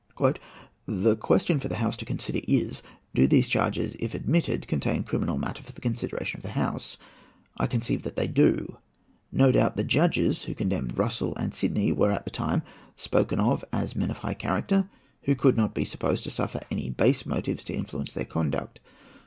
"The question for the House to consider is, 'Do these charges, if admitted, contain criminal matter for the consideration of the House?' I conceive that they do. No doubt the judges who condemned Russell and Sidney were, at the time, spoken of as men of high character, who could not be supposed to suffer any base motives to influence their conduct.